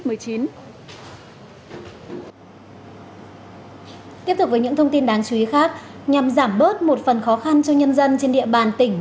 tiếp tục với những thông tin đáng chú ý khác nhằm giảm bớt một phần khó khăn cho nhân dân trên địa bàn tỉnh